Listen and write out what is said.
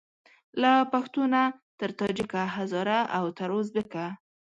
له پښتونه تر تاجیکه هزاره او تر اوزبیکه